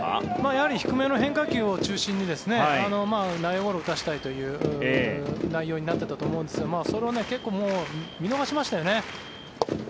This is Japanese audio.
やはり低めの変化球を中心に内野ゴロを打たせたいという内容になっていたと思うんですがそれを結構見逃しましたよね。